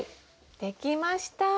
できました。